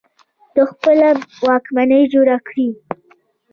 دوی خپله واکمني جوړه کړه